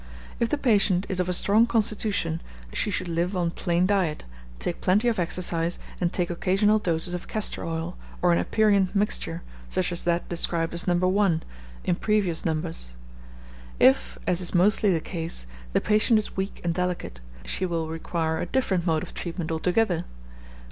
If the patient is of a strong constitution, she should live on plain diet, take plenty of exercise, and take occasional doses of castor oil, or an aperient mixture, such as that described as "No. 1," in previous numbers. If, as is mostly the case, the patient is weak and delicate, she will require a different mode of treatment altogether.